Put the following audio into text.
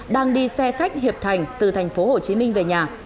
đang đi xe khách hiệp thành từ thành phố hồ chí minh về nhà